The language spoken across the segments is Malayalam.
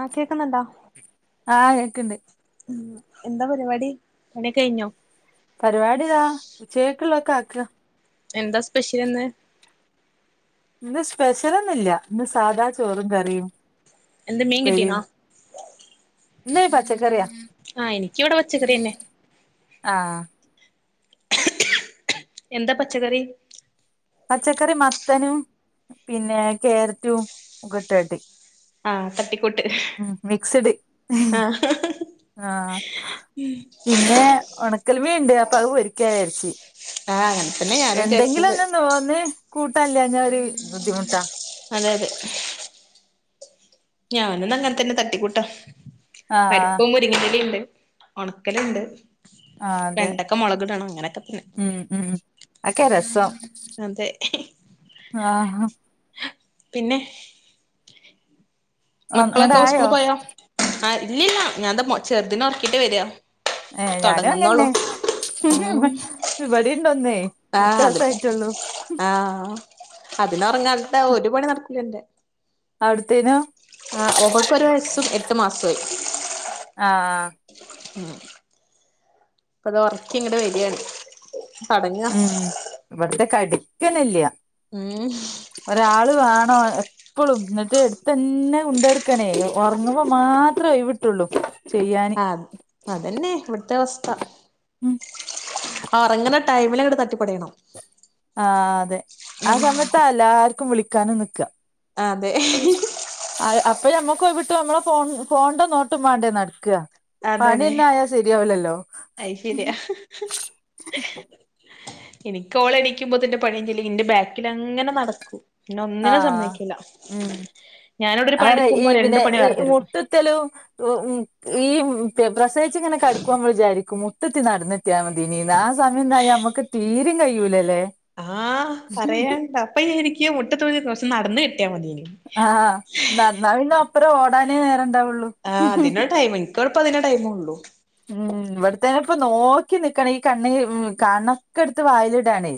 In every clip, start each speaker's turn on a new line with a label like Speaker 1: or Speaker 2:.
Speaker 1: ആ കേക്കുന്നുണ്ടോ
Speaker 2: ആ കേക്കണ്ട്
Speaker 1: ഉം എന്താ പരിപാടി പണിയൊക്കെ കഴിഞ്ഞോ
Speaker 2: പരിപാടി ഇതാ ഉച്ചക്കത്തേക്കുള്ളതൊക്കെ ആക്കുക
Speaker 1: എന്താ സ്പെഷ്യലിന്ന്
Speaker 2: ഇന്ന് സ്പെഷ്യലൊന്നുല്ല ഇന്ന് സാധാ ചോറും കറിയും
Speaker 1: എന്ത് മീൻ കിട്ടീനാ
Speaker 2: ഉപ്പേരിയും ഇന്ന് പച്ചക്കറിയാ
Speaker 1: പച്ചക്കറിയന്നെ
Speaker 2: ആ
Speaker 1: എന്താ പച്ചക്കറി
Speaker 2: പച്ചക്കറി മത്തനും പിന്നെ കാരറ്റും ഒക്കെ ഇട്ടിട്ട്
Speaker 1: ആ തട്ടി
Speaker 2: ഉം മിക്സഡ്
Speaker 1: ആഹ്
Speaker 2: ആ പിന്നെ ഉണക്കൽ മീൻ ഇണ്ട് അപ്പൊ അത് പൊരിക്കാന്ന് വിചാരിച്ച്
Speaker 1: ആഹ് അങ്ങനെ തന്നെ ഞാനും
Speaker 2: എന്തെങ്കിലും
Speaker 1: വിചാരിച്ചത്
Speaker 2: ഒന്നും ന്നോന്ന് കൂട്ടാൻ ഇല്ലാഞ്ഞ ഒരു ബുദ്ധിമുട്ടാ
Speaker 1: അതെ അതെ ഞാനും ഇന്നങ്ങനെ തന്നെ തട്ടിക്കൂട്ടാം
Speaker 2: ആഹ്
Speaker 1: പരിപ്പും മുരിങ്ങയിലേം ഉണ്ട് ഒണക്കലുണ്ട്
Speaker 2: ആഹ് അതെ
Speaker 1: രണ്ടക്ക മുളകിടണം അങ്ങനൊക്കെ തന്നെ
Speaker 2: അതൊക്കെയാ രസം
Speaker 1: അതെ
Speaker 2: ആ
Speaker 1: പിന്നെ മക്കളൊക്കെ
Speaker 2: ഇങ്ങടായോ
Speaker 1: സ്കൂളിൽ പോയോ ആ ഇല്ലില്ല ഞാൻ ഞാൻ എന്റെ ചെറുതിനെ ഉറക്കീട്ട് വരുവാ
Speaker 2: ഏ ഞാനും അങ്ങനെ
Speaker 1: ഉം
Speaker 2: തന്നേ ഇവിടെയും ഉണ്ട് ഒന്നേ എട്ട് വയസായിട്ടുള്ളൂ
Speaker 1: അതിനെ ഉറങ്ങാതെ വിട്ടാ ഒരു പണിയും നടക്കൂല എന്റെ
Speaker 2: അവിടുത്തേനോ
Speaker 1: ആ അവക്ക് ഒരു വയസ്സും എട്ട് മാസവുമായി
Speaker 2: ആ
Speaker 1: ഉം ഇപ്പ താ ഒറക്കി ഇങ്ങട് വരിയാണ് തൊടങ്ങാ
Speaker 2: ഉം ഇവിടുത്തെ കെടക്കൊന്നുമില്ല
Speaker 1: ഉം
Speaker 2: ഒരാള് വേ ണം എപ്പളും എന്നിട്ട് എടുത്ത് തന്നെ കൊണ്ട് നടക്കുവാണേ ഉറങ്ങുമ്പോ മാത്രെ ഒഴിവ് കിട്ടൂള്ളൂ
Speaker 1: ആ അതന്നെ ഇവിടുത്തെ അവസ്ഥ
Speaker 2: ഉം
Speaker 1: ആ ഉറങ്ങണ ടൈമിൽ അങ്ങട്ട് തട്ടിപ്പടയണം
Speaker 2: ആ അതെ ആ സമയത്താ എല്ലാർക്കും വിളിക്കാനും നിക്കുക
Speaker 1: അതെ
Speaker 2: ആ അപ്പൊ ഞമ്മക്കൊഴിവി നമ്മള ഫോൺ ഫോൺണ്ട നോട്ടം വാണ്ടേ നടക്കുക
Speaker 1: അതെതെ
Speaker 2: പണിയന്നെ ആയാ ശരിയാവിലല്ലോ
Speaker 1: അത് ശരിയാ
Speaker 2: [unintelligible]
Speaker 1: എനിക്ക് ഓളെണീക്കുമ്പോത്തിന്റെ പണിയയിഞ്ഞില്ലെങ്കി എന്റെ ബാക്കിൽ അങ്ങനെ നടക്കൂ പിന്ന ഒന്നിനും സമ്മയിക്കില്ല
Speaker 2: ആറേയ് ഈ പിന്നെ ഈ മുട്ടുത്തലും ഈ പ്രസയിച്ച ഇങ്ങനെ കടുക്കുവാമ്പോൾ വിചാരിക്കും മുട്ടത്തി നടന്നിട്ടാതിന്ന് ആ സമയം നമുക്ക് തീരും കഴിയൂലല്ലേ?
Speaker 1: ആഹ് പറയണ്ട അപ്പൊ എനിക്ക് മുട്ടത്തോഴി കുറച്ച് നടന്ന് കിട്ടിയാ മതി
Speaker 2: ആഹ [unintelligible] അപ്പറം ഓടാനേ നേരണ്ടാവുള്ളൂ.
Speaker 1: ആ അതിന ടൈം എനിക്ക ഇപ്പോൾ അതിനെ ടൈമ് ഉള്ളു
Speaker 2: ഇവിടത്തേന്ന ഇപ്പോ നോക്കി നിക്കണം ഈ കണ്ണ കണ്ണൊക്കെ എടുത്ത് വായിലിടാണ്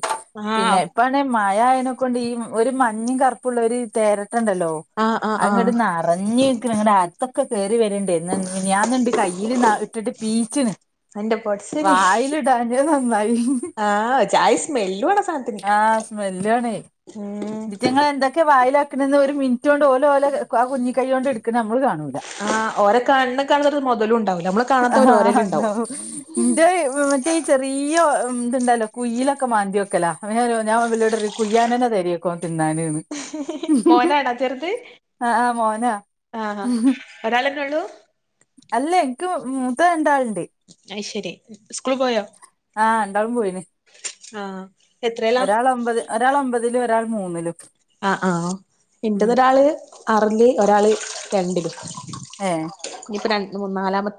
Speaker 2: പിന്നെ
Speaker 1: ആഹ്
Speaker 2: ഇപ്പണെ മഴ ആയതിനെക്ക കൊണ്ട് ഈ ഒരു മഞ്ഞും കറുപ്പുള്ള ഒരു തര ണ്ടല്ലോ
Speaker 1: ആഹ് ആഹ്
Speaker 2: അത്
Speaker 1: ആഹ്
Speaker 2: ഇങ്ങട് നിറഞ്ഞു നിക്കന് അ [unintelligible] ക്കെ കയറി വരണ്ടണ്ട് ഞാന്നുണ്ട് കയ്യിയില് ഇട്ടിട്ട് പീച്ചിന്
Speaker 1: എന്റെ പടച്ചോനെ
Speaker 2: വായിലിടാഞ്ഞത് നന്നായി
Speaker 1: ആഹ് ജാതി സ്മെല്ലു ആണ് ആ സാധനത്തിന്
Speaker 2: ആഹ് സ്മെല്ലാണ്
Speaker 1: ഉം
Speaker 2: ഇത്യങ്ങള് എന്തൊക്കെ വായിലക്ക ക്കന്ന് ഒരു മിനിറ്റ് കൊണ്ട് ഓല ഓല ആ കുഞ്ഞ കൈ കൊണ്ട് എടുക്കുന്ന നമ്മൾ കാണൂ
Speaker 1: ആ് ഓരെ കാണ കാണത്ത മുതലും ഉണ്ടാവും നമ്മള് കാണാത്തവര് ഓരലും ഉണ്ടാവും
Speaker 2: ഇന്റെ മറ്റേ ഈ ചെറിയ ഇതുണ്ടല്ലോ കുയിലൊക്കെ മാന്തി വെക്കല്ല. ഞാൻ ഇവരോട് പറയും. കുയ്യിയനെന തയ [inaudible] തിനാന്ന് എന്ന്
Speaker 1: മോനാണോ ചെറുത്
Speaker 2: ആഹ് മോന
Speaker 1: ആഹ് ഒരാളന്നെ ഉള്ളൂ
Speaker 2: അല്ല എനിക്ക് മൂത്ത രണ്ടാളിണ്ട്
Speaker 1: അപ്പ ശരി. സ്കൂള് പോയോ
Speaker 2: ആഹ രണ്ടാളും പോയിന്
Speaker 1: ആഹ് എത്രേലാ
Speaker 2: ഒരാൾ ഒമ്പത് ഒരാൾ ഒമ്പതിലും ഒരാൾ മൂന്നിലും
Speaker 1: ആഹ ആഹ ഇൻ്റത്
Speaker 2: ഉം
Speaker 1: ഒരാള് ആറില് ഒരാള് രണ്ടില്
Speaker 2: ഏഹ്
Speaker 1: ഇപ്പോ രണ്ട് നാലാമത്തെ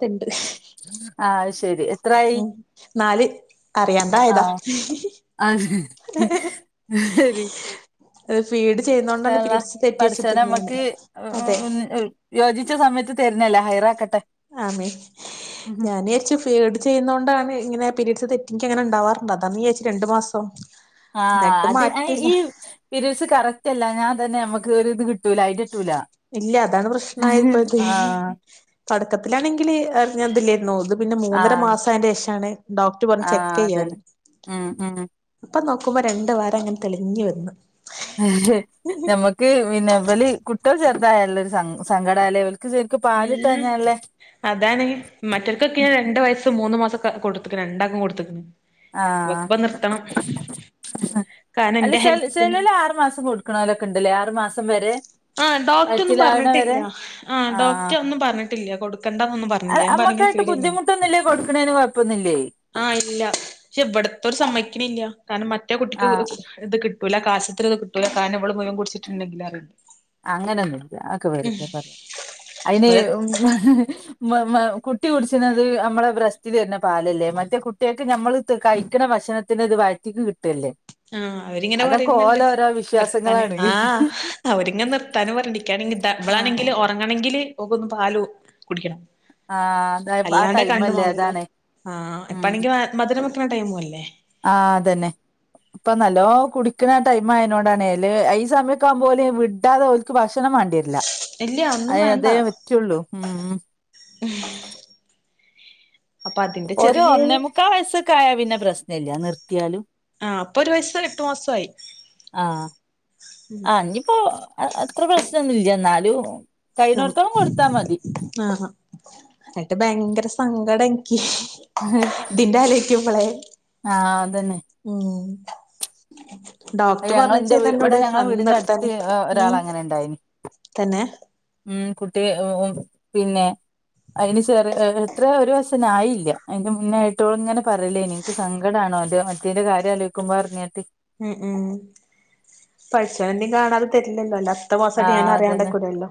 Speaker 2: ആഹ് ശരി എത്രായി
Speaker 1: ഉം നാല് അറിയാണ്ടാ ആയതാ
Speaker 2: ആഹ് ശരി
Speaker 1: അത് ഫീഡ്
Speaker 2: ഇൻശാ
Speaker 1: ചെയ്യുന്നോണ്ടാണ്
Speaker 2: അല്ലഹ്
Speaker 1: പീരീഡ്സ്
Speaker 2: പഠച്ചോന്
Speaker 1: തെറ്റിവെച്ചിട്ടുണ്ട് ഞാന്
Speaker 2: നമ്മക്ക്
Speaker 1: അതെ
Speaker 2: [unintelligible] യോജി ഉച്ച സമയത്ത് തരല്ലേ ഹൈറ ആക്കട്ടെ
Speaker 1: ആമേ ഞാൻ വിചാരിച്ചു ഫിഡ് ചെയ്യുന്നൊണ്ടാണ് ഇങ്ങനെ പരീഡസ് തെറ്റിക്ക അങ്ങനെ ഉണ്ടാവാറുണ്ട് അതാന്നു വിചാരിച്ചു രണ്ട് മാസം
Speaker 2: ആഹ്
Speaker 1: എന്നിട്ടും
Speaker 2: അത്
Speaker 1: മാറ്റല്ല
Speaker 2: ഈ പിരിഡ്സ് കറക്റ്റ് അല്ല ഞാൻ തന്നെ നമ്മുക്ക് ഒരു ഇത് കിട്ടൂല അതിന്റെ
Speaker 1: ഇല്ല അതാണ് പ്രശ്നമായ ഇപ്പ ഇത്
Speaker 2: ആഹ്
Speaker 1: തുടക്കത്തിലാണെങ്കില് അറിഞ്ഞതില്ലോത് പിന്നെ മൂന്നര
Speaker 2: ആഹ്
Speaker 1: മാസം അതി ശേഷാണ് ഡോക്ടർ പറ ചെക്ക്
Speaker 2: ആഹ്
Speaker 1: ചെയ്യാൻ
Speaker 2: അതന്നെ ഉം ഉം
Speaker 1: അപ്പ നോ രണ്ട് വര അങ്ങെനേ തെളഞ്ഞി വന്ന്.
Speaker 2: അ നമക്ക് പിന്നെ വല കുട്ടികൾ ചെർതായുള്ള ഒരു സങ്കടാലയ
Speaker 1: ഉം അതാണ് മറ്റൊർക്കൊക്കെ രണ്ട് വയസ് മൂന്ന് മാസം കൊടുത്ത്ക്ക്ണ് രണ്ടാക്കം കൊടുത്ത്ക്ണ്.
Speaker 2: ആഹ്
Speaker 1: ഇക്കിപ്പ നിർത്തണം. കാരണം
Speaker 2: അല്ല
Speaker 1: എന്റെ
Speaker 2: ച
Speaker 1: ഹെൽത്തിന്
Speaker 2: ചെലല് ആറു മാസം കൊടുക്കണലൊക്കെ ഇണ്ടല്ലേ ആറു മാസം വരെ
Speaker 1: ആ ഡോക്ടർ ഒന്നും
Speaker 2: വയറ്റിലാവണ വരെ
Speaker 1: പറഞ്ഞിട്ടില്ല ആ
Speaker 2: ആഹ്
Speaker 1: ഡോക്ടർ ഒന്നും പറഞ്ഞിട്ടില്ല കൊടുക്ക
Speaker 2: അമ്മക്കായിട്ട് ബുദ്ധിമുട്ടൊന്നുംല്ല കൊടുക്കണേന് കൊഴപ്പൊന്നില്ലേ
Speaker 1: ആഹ് ഇല്ല പക്ഷെ ഇവിടത്തോരു സമ്മയിക്കണില്ല കാരണം മറ്റേ കുട്ടിക്ക്
Speaker 2: ആഹ്
Speaker 1: ഇത് കിട്ടി [unintelligible] ഇവള് മുഴുവൻ കുടിച്ചിട്ടുണ്ടെങ്കിൽ.
Speaker 2: അങ്ങനെയൊന്നുമല്ല അതൊക്കെ വെറുതെ പറയാ അയ്ന്
Speaker 1: ഇവര്
Speaker 2: മ കുട്ടി കുടിച്ചുന്നത്. നമ്മളെ ബ്രസ്റ്റതി തരുന്ന പാലല്ലേ മറ്റേ കുട്ടിയൊക്കെ നമ്മ കഴിക്കണ ഭക്ഷത്തിന് ഒരു വയറ്റിക്ക് കിട്ടല്ലേ
Speaker 1: ആഹ് അവരിങ്ങനെ
Speaker 2: അതൊക്കെ
Speaker 1: പറയുന്നുണ്ട്.
Speaker 2: ഓലോരോ
Speaker 1: നിർത്താന്
Speaker 2: വിശ്വാസങ്ങളാണ്
Speaker 1: ആഹ് അവരിങ്ങനെ നിർത്ത തണു
Speaker 2: ആഹ്
Speaker 1: പറഞ്ഞിരിക്കുകയാണെങ്കിൽളാണെങ്കിൽ ഉറങ്ങണമെങ്കില് ഒക്ക ഒന്ന് പാാല കുടിക്കണം
Speaker 2: ആഹ് ആ
Speaker 1: അല്ലാത
Speaker 2: ടൈമല്ലേ
Speaker 1: കണ്മാണല്ലോ
Speaker 2: അതാണ്
Speaker 1: ആഹ
Speaker 2: ഉം
Speaker 1: എപ്പാണെങ്കി മധുരം വെക്കണ ടൈമും അല്ലേ
Speaker 2: ആഹ് അതന്നെ ഇപ്പൊ നല്ലോ കുടിക്കുന്ന ടൈം ആയതിനോടാണേല് ഈ സമയക്ക ആകുമ്പോല വിടാതെ ഓലക്ക് ഭക്ഷ കണ് വേണ്ടിരില്ല
Speaker 1: ഇല്ല
Speaker 2: അ
Speaker 1: ഒന്നും
Speaker 2: അതേ
Speaker 1: വേണ്ട
Speaker 2: വറ്റുള്ളൂ ഉ
Speaker 1: അപ്പൊ അതിന്റെ
Speaker 2: ഒരു
Speaker 1: ചെറിയ
Speaker 2: ഒന്നേമുക്കാ വയസ്സൊക്കെയായ പിന്നെ പ്രശ്നല്ല നിർത്തിയാലും
Speaker 1: ആഹ അപ്പൊ ഒരു വയസും എട്ടു മാസവുമായി
Speaker 2: ആഹ് അത് അത്ര പ്രശ്നംന്നൊന്നുംല്യ എന്നാലും കൈയിനോടത്തോളം കൊടുത്താ മതി
Speaker 1: ആ ആഹ എന്നട്ട് ഭയങ്കര സങ്കടം എനിക്ക്
Speaker 2: ആഹ്
Speaker 1: ഇതിൻന്റെ ആലോയിക്കുമ്പളെ
Speaker 2: അതന്നെ
Speaker 1: ഉം ഡോക്ടർ
Speaker 2: ഞങ്ങള്
Speaker 1: പറഞ്ഞ
Speaker 2: എന്റെ വീ- ഇവിടെ
Speaker 1: ചെയ്തന്നോട്
Speaker 2: ഞങ്ങളെ
Speaker 1: അന്ന്
Speaker 2: വീടിന്റെ അടുത്ത്
Speaker 1: നിർത്താന് ഉം
Speaker 2: ഒരാള് അങ്ങനെ ഉണ്ടായിന്
Speaker 1: തന്നെ
Speaker 2: ഉം കുട്ടി ഉം ഉം പിന്നെ അതിന് ചെറിയ എത്ര ഒരു വയസ്സന്നെ ആയില്ല അതിന്റെ മുന്നായിട്ടോളു ഇങ്ങനെ പറയില്ലേ നിനിക്ക് സങ്കടമാണ് ആ മറ്റേന്റെ കാര്യാലോയിക്കുമ്പോൾ [unintelligible]
Speaker 1: ഉം ഉം പടച്ചോനൊന്നും കാണാതെ തരില്ലല്ലോ അല്ലേ അടുത്ത മാസം ഞാൻ
Speaker 2: ആഹ് അതന്നെ
Speaker 1: അറിയാണ്ടക്കൂലല്ലോ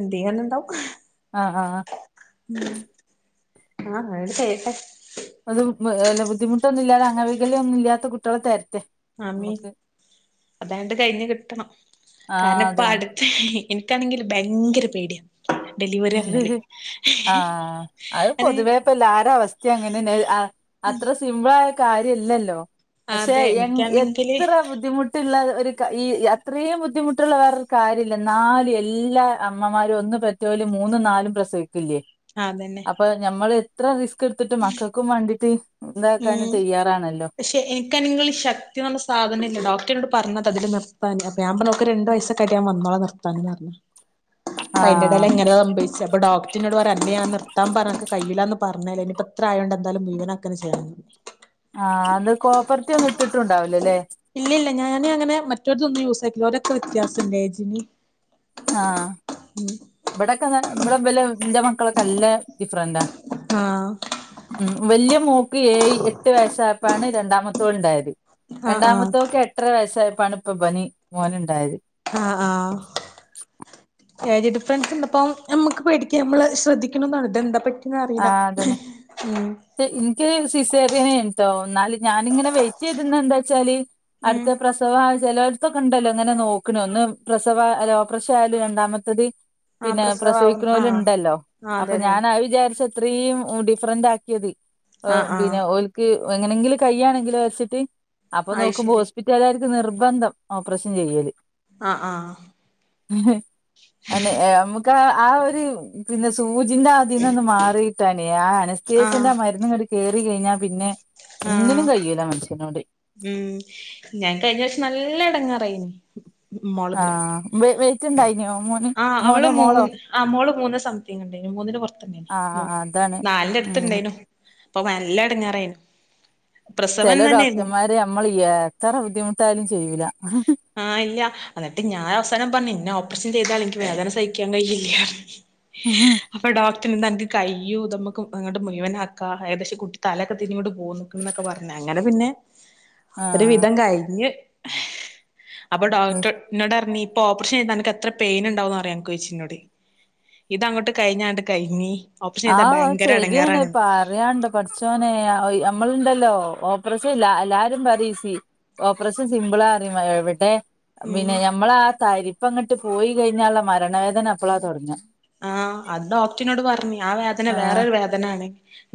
Speaker 1: എന്തങ്ങനണ്ടാവും
Speaker 2: ആ ആ ആ
Speaker 1: ആഹ് അവര് ചെയ്യട്ടെ
Speaker 2: അത് ബുദ്ധിമുട്ടൊന്നും ഇല്ലാ അംഗവൈകല്യ ഒന്നും ഇല്ലാത്ത കുട്ടികളെ തരെ
Speaker 1: ആമീൻ അതാണ്ട് കഴിഞ്ഞു കിട്ടണം
Speaker 2: ആഹ്
Speaker 1: കാരണം ഇപ്പ
Speaker 2: അതന്നെ
Speaker 1: അടുത്ത് എനിക്കാണെങ്കിൽ ഭയങ്കര പേടിയാണ്
Speaker 2: ആ അത് പൊതുവേപ്പെല്ലാരെ അവസ്ഥ അങ്ങനെന്നേ അ അത്ര സിമ്പിൾ ആയ കാര്യം അല്ലല്ലോ പക്ഷെ
Speaker 1: അതെ
Speaker 2: എ
Speaker 1: എനിക്കാണെങ്കില്
Speaker 2: എത്ര ബുദ്ധിമുട്ടില്ല ഈ അത്രയും ബുദ്ധിമുട്ടുള്ള വേറൊരു കാര്യമില്ല നാല് എല്ലാ അമ്മമാരും ഒന്നും പരി ലോൽ മൂന്നും നാലും പ്രസവിക്കില്ലേ
Speaker 1: അതന്നെ
Speaker 2: അപ്പൊ നമ്മൾ എത്ര റിസ്ക് എടുത്തിട്ട് മക്കൾക്കും വാണ്ടിട്ട്
Speaker 1: ഉം പക്ഷെ എനിക്കാണെങ്കില് ശക്തി എന്നുള്ള സാധനെയിംല്ല ഡോക്ടന്നോട് ട് പറ അന്നത്തെ തില് നിർത്താ ൻഅപം ഞാ പ്പാറഞ്ഞ ഓക് രണ്ടു വയസ്സൊക്കെ ആയിട്ട് ഞാൻ വന്നോള നിർത്താ ന് അപ്പ
Speaker 2: ആഹ്
Speaker 1: അതിന്റെടെലെങ്ങാനോ സംഭവിച്ചേ അപ്പൊ ഡോക്ടറിന്നൊട് പറ അന്നോട് ഞാ ൻ നിർത്താൻ പറഞ്ഞ കയ്യില്ലാന്ന് പറഞ്ഞേ ഇനിയിപ്പോ ഇത്രയായൊണ്ട് എന്താലും മുയിവനാക്കുവന്നെ ചെയ്യണം
Speaker 2: ആഹ് അത് കോപ്പർട്ടി ഒന്നും ഇട്ടിട്ടുണ്ടാവില്ലല്ലേ
Speaker 1: ഇല്ലില്ല ഞാനങ്ങനെ മറ്റൊരിതൊന്നും യൂസ് ഓരൊക്കെ വ്യത്യാസണ്ടേ ഏ ജ്ന്
Speaker 2: ആഹ് ഇവിടെക്കെ ഇവിടെ വല്ന്റെ മക്കളൊക്കെ നല്ല ഡിഫറന്റ
Speaker 1: ആഹ്
Speaker 2: ഉ വലിയ മോക്ക് ഏയി എട്ട് വയസ്സായപ്പോഴാണ് രണ്ടാമത്തോൾ ണ്ടായത്
Speaker 1: ആഹ് ആഹ്
Speaker 2: രണ്ടാമത്തെോക്കെ എട്ടര വയസ്സായാപ്പോഴാണ് ഇപ്പൊബൻ മോനുണ്ടായത്
Speaker 1: ആ ആ ഏയിജ് ഡിഫറൻസ് ഉണ്ടപ്പം നമ്മുക്ക് പേടിക്കാ നമ്മള് ശ്രദ്ധിക്കണന്നാണ് ഇത് എന്താ
Speaker 2: ആ അതന്നെ എനിക്ക് സിസേറിയനൈ നി ട്ടോ എന്നാല് ഞാാനിങ്ങനെ വെയിറ്റ് ചെയ്തുന്ന എന്താ വെച്ചാല് അടുത്ത
Speaker 1: ഉം
Speaker 2: പ്രസവ ചിലവര്ത്തൊക്കെ ഉണ്ടല്ലോ ഇങ്ങനെ നോക്കണ ഒന്ന് പ്രസവ ഓപ്പ്രഷനാണേലും രണ്ടാമത്തത്
Speaker 1: ആഹ്
Speaker 2: പിന്നെ
Speaker 1: പ്രസവാവും
Speaker 2: പ്രസവിക്ണോ ല്
Speaker 1: ആഹ്
Speaker 2: ണ്ടല്ലോ
Speaker 1: ആഹ് അതെ
Speaker 2: അപ്പൊ
Speaker 1: അതെ അതെ
Speaker 2: ഞാനാ വിചാരിച്ച ഇത്രേം ഡിഫറന്റ് ആക്കിയത്
Speaker 1: ആഹ് ആഹ്
Speaker 2: പിന്നെ ഓരിക്കു എങ്ങനെങ്കിലും കയ്യാണെങ്കിലോ വെച്ചി്ട്ട്
Speaker 1: അയ്
Speaker 2: നോക്കുമ്പോ
Speaker 1: ശരി
Speaker 2: ഹോസ്പിറ്റലുകാർക്ക് നിർബന്ധം ഓപ്പറേഷൻ ചെയ്യല്
Speaker 1: ആ ആ ആ
Speaker 2: അല്ലേ നമുക്ക് ആ ഒരു പിന്നെ സൂചിന്റെ അതിൽ നിന്ന് ഒന്ന് മാറി കിട്ടാനെ ആ അനസ്തേഷ്യന്റെ
Speaker 1: ആഹ്
Speaker 2: ആ മരുന്നുകയറി കഴിഞ്ഞാൽ പിന്നെ
Speaker 1: ആഹ്
Speaker 2: ഒന്നിനും കഴിയൂല മനുഷ്യന്ക്ക്
Speaker 1: ഉം ഞാൻ കഴിഞ്ഞ വർഷം നല്ല എടങ്ങാറായിരുന്നു
Speaker 2: ആ വെയിറ്റ് ഉണ്ടായിരുന്നോ
Speaker 1: ആ അവൾ മോൾ മൂന്ന് സംതിങ് ഉണ്ടെന്‌ മൂന്നിന് പുറത്ത്
Speaker 2: ആഹ്
Speaker 1: ഉണ്ടായിരുന്നു
Speaker 2: ആഹ് അതാണ്
Speaker 1: നാലിന്റടുത്തു ഉ
Speaker 2: ഉം
Speaker 1: ണ്ടായിനു അപ്പൊ നല്ല എടങ്ങാറായി
Speaker 2: ചില ഡോക്ടർമാര് നമ്മൾ എത്ര ബുദ്ധിമുട്ടായിാലും
Speaker 1: ആഹ് ഇല്ല എന്നിട്ട് ഞാൻ അവസാനം പറഞ്ഞു ഇന്ന ചെറിയതായാലും എനിക്ക് വേദന സഹിക്കാൻ കഴിയില്ല അപ്പോ ഡോക്ടർ പറ്റെന്താ എനിക്ക് കയ്യോ നമുക്ക് നിങ്ങളുടെ മുഴവൻ ആക്കാം കുട്ടിന്റെ കൈ ഒക്കെ ഇങ്ങോട്ട് പോന്നിട്ടുണ്ട് തലയൊക്കെ തിരിഞ്ഞു പൊന്നുകുണ് എന്നക്കെ പറഞ്ഞരുന്നു അങ്ങനെ പിന്നെ ഒരു വിധം
Speaker 2: ആഹ്
Speaker 1: കഴിഞ്ഞ് അപ്പൊ ഡോക്ടർ എന്നോട് പറഞ്ഞു ഇപ്പോ ഓപ്പറേഷൻ ചെയ്താൽ എത്ര പെയിൻ ഉണ്ടാവും എന്നറിയോ ചോദിച്ചു എന്നോട് ഇത്ങ്ങോട്ട് കഴിഞ്ഞാണ്ട് കഴിഞ്ഞി
Speaker 2: ആഹ ശെരിയാണ് പറയാനുണ്ടോ പടച്ചോനെ നമ്മളുണ്ടലോ ല്ലോ ഓപ്പറേഷൻ ഇല്ല എല്ലാരും പറയും ഈസിയാണ് ഓപ്പറേഷൻ സിമ്പിൾ ആണ് എവിടെ
Speaker 1: ഉം
Speaker 2: പിന്നെ ഞമ്മളാ തരിപ്പങ്ങിട്ട് പോയി കഴിഞ്ഞുള്ള മരണവേദന അപ്പളാണ് തുടങ്ങുക
Speaker 1: ആഹ അത് ഡോക്ടറിനോട് പറഞ്ഞേ
Speaker 2: ആഹ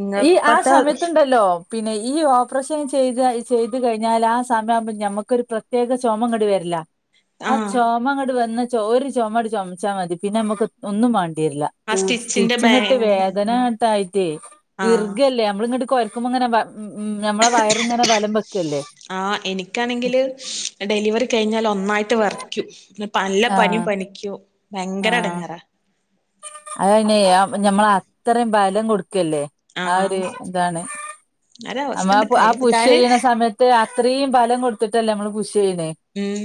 Speaker 1: ഇങ്ങ
Speaker 2: ഈ ആ
Speaker 1: ഇപ്പത്തെ
Speaker 2: സമയത്തുണ്ടല്ലോ പിന്നെ ഈ ഓപ്പറേഷൻ ചെയ്ത ചെയ്തു കഴിഞ്ഞാൽ ആ സമയം ആവുമ്പോ ഞമ്മുക്കൊരു പ്രത്യേക ചുമ ഇങ്ങോട്ട് വരും ആ
Speaker 1: ആഹ്
Speaker 2: ചുമങ്ങട്ട് വന്ന ഒരു ചുമ ചുമച്ചാ മതി പിന്നെ നമ്മുക്ക് ഒന്നും വേണ്ട
Speaker 1: ആ സ്റ്റിച്ചിന്റെ
Speaker 2: സ്റ്റിച്ചു ങ്ങാട്ട്
Speaker 1: ഭയങ്കര
Speaker 2: വേദന ആയിട്ടു
Speaker 1: ആഹ്
Speaker 2: ഇർകുകയല്ലേ നമ്മൾ ഇങ്ങോട്ട് കോരക്കുമ്പോൾ ഇങ്ങനെ ഉം ഉം നമ്മളെ വയറിങ്ങനെ വ
Speaker 1: ആ എനിക്കാണെങ്കില് ഡെലിവറി കഴിഞ്ഞാൽ ഒന്നായിട്ട് വിറക്കും നല്ല
Speaker 2: ആഹ്
Speaker 1: പനിയും ഉണ്ടാവും ഭയങ്കര എടങ്ങാറാണ്
Speaker 2: അത് അയിന് ഞമ്മൾ അത്രയും ബലം കൊടുക്കല്ലേ ആ
Speaker 1: ആഹ്
Speaker 2: ഒരു എതാണ് അ
Speaker 1: ഒരവസ്ഥണ്ട്
Speaker 2: ആ പുഷി
Speaker 1: കയ്യെടുക്കാന്
Speaker 2: ചെയ്യണ സമയത്ത് അത്രയും ബലം കൊടുത്തിട്ടല്ലേ നമ്മള് പുഷ് ചെയ്യുന്നത്
Speaker 1: ഉം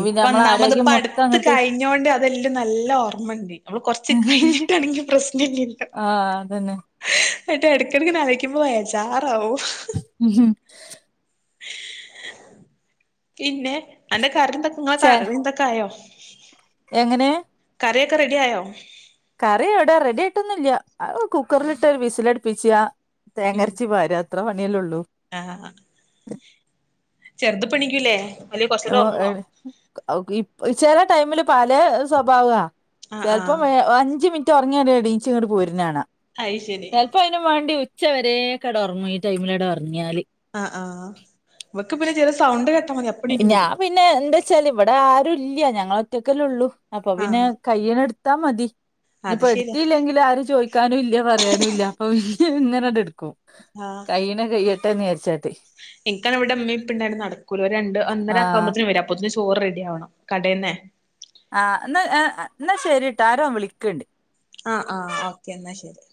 Speaker 1: ഇപ്പോ ഒന്നാമത്
Speaker 2: ആരോഗ്യം
Speaker 1: ഇപ്പോ
Speaker 2: മൊത്തം
Speaker 1: അടുത്ത്
Speaker 2: അങ്ങട്ട്
Speaker 1: കഴിഞ്ഞൊണ്ട് അതെല്ലാം നല്ല ഓർമ്മുണ്ട് നമ്മള് കുറച്ച് കഴിഞ്ഞിട്ടാണെങ്കിൽ പ്രശ്നമില്ല
Speaker 2: ആഹ് അതന്നെ
Speaker 1: ഇടക്കിടക്ക ആലോചിക്കുമ്പോൾ വെജാറവും
Speaker 2: ഉ ഹ
Speaker 1: പിന്നെ എന്റെ കറിയും
Speaker 2: ചെ
Speaker 1: ഒക്കെ ആയോ
Speaker 2: എങ്ങനെ
Speaker 1: കറിയൊക്കെ റെഡി ആയോ
Speaker 2: കറി എവിടാ റെഡി ആയിട്ടൊന്നുമില്ല കുക്കറിലിട്ട് വിസിലടിപിക്കുക തേങ്ങ അരച്ച് ഒഴികുക അത്ര പണിയല്ലേ ഉള്ളൂ
Speaker 1: ആഹ
Speaker 2: ആ
Speaker 1: ചെറുത് ഇപ്പോ എനിക്കൂലെ
Speaker 2: ഓ ചില ടൈമില് പല സ്വഭാവം ആണ്
Speaker 1: ആഹ്
Speaker 2: ചിലപ്പോൾ
Speaker 1: ആഹ്
Speaker 2: അഞ്ച് മിനിറ്റ് ഉങ്ങിയാൽ എണിറ്റു ഇങ്ങോട്ട് പോരുന്നത് കാണാം
Speaker 1: അയ് ശരി
Speaker 2: ചിലപ്പോ അതിന് വേണ്ടി ഉച്ച വരെ കിടന്നുറങ്ങും ഈ ടൈമിൽ ഉറങ്ങിയാൽ
Speaker 1: ആ ആക്ക് പിന്നെ ചില സൗണ്ട് മതി അപ്പണീറ്റ്
Speaker 2: ഞാൻ
Speaker 1: പോരും
Speaker 2: പിന്നെ എന്താ വച്ചാല് ഇവിടെ ആരു ഇല്ല ഞങ്ങൾ ഒറ്റക്കല്ല ഉള്ളൂ അപ്പൊ പിന്നെ
Speaker 1: ആഹ്
Speaker 2: കഴിയുന്നത് എടുത്തൽ മതി
Speaker 1: അത്
Speaker 2: ഇനിയിപ്പോ
Speaker 1: ശരിയാ
Speaker 2: എടുത്തിയില്ലെങ്കിൽ ആരും ചോദിക്കാനും ഇല്ല പറയാനും ഇല്ല അപ്പൊ ഇ ഇങ്ങനെയ എ കൈയുന്നത് കഴിയട്ടെ എന്ന് വിചാരിച്ചാട്ട
Speaker 1: എനിക്കാ ഇവിടെഉമ്മയും ഇപ്പയും ഉണ്ടാകുമ്പോൾ നടക്കൂല രണ്ട് മണി ഒന്നര ഒക്കെ
Speaker 2: ആഹ്
Speaker 1: ആകുമ്പോൾ വരും തൊറ് റെഡി ആവണം കടയിന്നെ
Speaker 2: ആഹ് എന്നാ ആ ആഹ് ന്നാ ശരിട്ടാ ആാരോ വിളിക്കണണ്ട്
Speaker 1: ആഹ ആഹ് ഓക്കേ എന്നാ ശരി